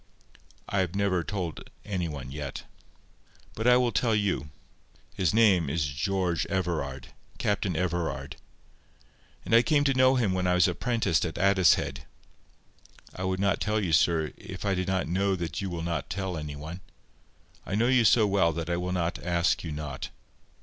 I have never told any one yet. But I will tell you. His name is George Everard—Captain Everard. I came to know him when I was apprenticed at Addicehead. I would not tell you, sir, if I did not know that you will not tell any one. I know you so well that I will not ask you not.